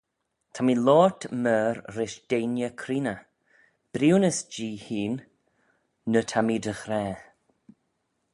Ta mee loayrt myr rish deiney creeney: briwnys-jee hene ny ta mee dy ghra.